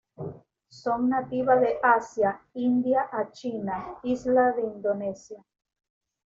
Son nativa de Asia, India a China, islas de Indonesia.